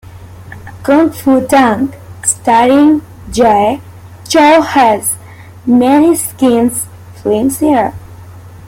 "Kung Fu Dunk" starring Jay Chou has many scenes filmed here.